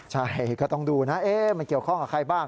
ใช่ก็ต้องดูนะมันเกี่ยวข้องกับใครบ้าง